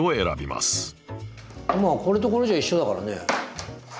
まあこれとこれじゃ一緒だからね。